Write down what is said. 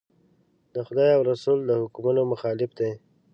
د خدای او رسول د حکمونو مخالف دي.